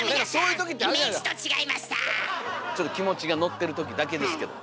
ちょっと気持ちがのってるときだけですけど。